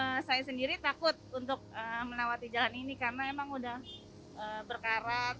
kalau saya sendiri takut untuk menawati jalan ini karena memang sudah berkarat